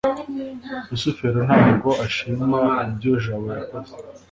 rusufero ntabwo ashima ibyo jabo yakoze